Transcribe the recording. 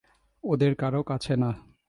ওদের কারো কাছে না।